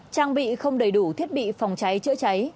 trang bị không đầy đủ thiết bị phòng cháy chữa cháy